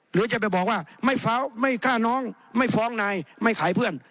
หรือจะไปบอกว่าไม่ฟ้องไม่ฆ่าน้องไม่ฟ้องนายไม่ขายเพื่อน